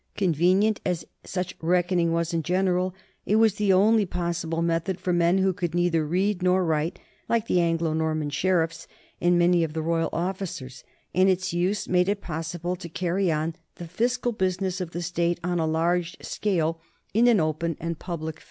Convenient as such reckoning was in general, it was the only possible method for men who could neither read nor write, like the Anglo Nor man sheriffs and many of the royal officers, and its use made it possible to carry on the fiscal business of the state on a large scale, in an open and public fashion, 1 Poole, The Exchequer in the Twelfth Century, pp.